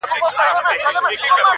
حافظه يې ژوندۍ ساتي تل-